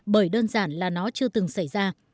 bởi đơn giản là nó chưa từng xảy ra